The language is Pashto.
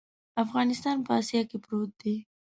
افغانستان په اسیا کې پروت دی.